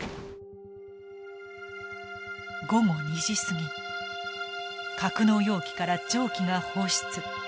午後２時過ぎ格納容器から蒸気が放出。